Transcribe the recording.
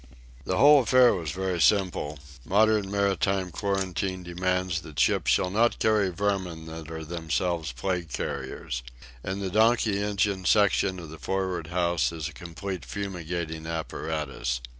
The whole affair was very simple. Modern maritime quarantine demands that ships shall not carry vermin that are themselves plague carriers. In the donkey engine section of the for'ard house is a complete fumigating apparatus.